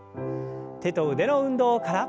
手と腕の運動から。